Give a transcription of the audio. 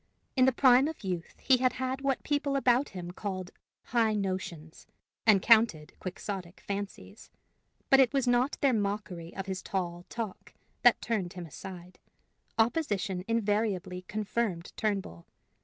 In the prime of youth he had had what the people about him called high notions, and counted quixotic fancies. But it was not their mockery of his tall talk that turned him aside; opposition invariably confirmed Turnbull.